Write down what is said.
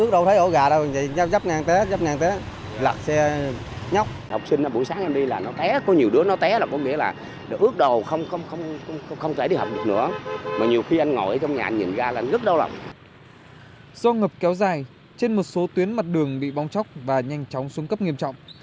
do ngập kéo dài trên một số tuyến mặt đường bị bong chóc và nhanh chóng xuống cấp nghiêm trọng